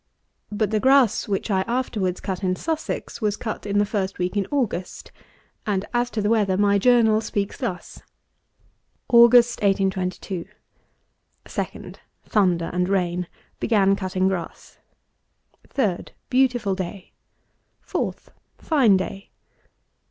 But the grass which I afterwards cut in Sussex, was cut in the first week in August; and as to the weather my journal speaks thus: August, 1822. 2d. Thunder and rain. Began cutting grass. 3d. Beautiful day. 4th. Fine day.